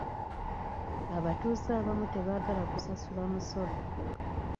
Abatuuze abamu tebaagala kusasula musolo.